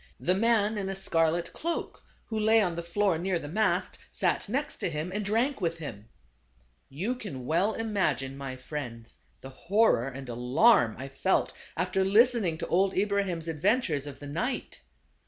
The man in a scarlet cloak, who lay on the floor near the mast, sat next to him, and drank with him." THE CARAVAN. 115 You can well imagine, my friends, the horror and alarm I felt after listening to old Ibrahim's adventures of the night.